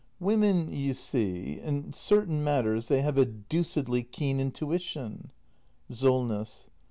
Women, you see — in certain matters, they have a deucedly keen intuition SOLNESS.